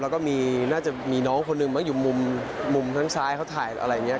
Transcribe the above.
และก็มีน่าจะมีน้องคนหนึ่งว่าอยู่มุมทางซ้ายเค้าที่ไรเงี้ย